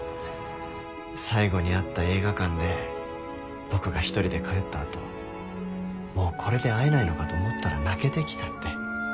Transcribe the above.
最後に会った映画館で僕が１人で帰ったあともうこれで会えないのかと思ったら泣けてきたって。